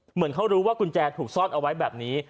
เหมือนเขารู้ว่ากุญแจถูกซ่อนเอาไว้แบบนี้